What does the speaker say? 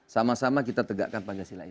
sama sama kita tegakkan pancasila ini